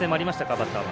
バッターは。